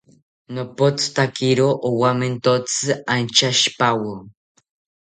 Nopothotakiro owamentotzi antyashipawo